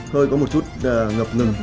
hơi có một chút ngập ngừng